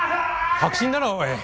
迫真だなおい